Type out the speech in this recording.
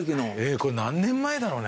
これ何年前だろうね？